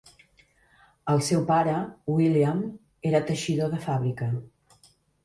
El seu pare, William, era teixidor de fàbrica.